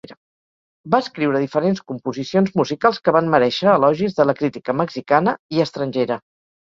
Va escriure diferents composicions musicals que van merèixer elogis de la crítica mexicana i estrangera.